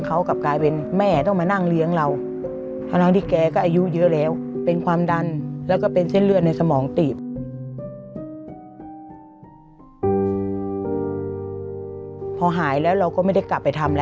ก็ไปเอาผ้ามาเย็บ